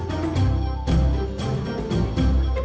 กลับมานี่